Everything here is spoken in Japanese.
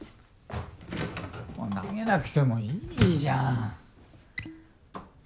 投げなくてもいいじゃん。